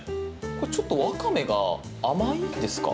ちょっとワカメが甘いですか？